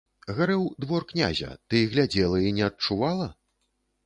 Гарэў двор князя, ты глядзела і не адчувала?